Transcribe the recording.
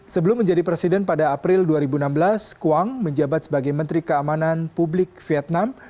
sebelum menjadi presiden pada april dua ribu enam belas kuang menjabat sebagai menteri keamanan publik vietnam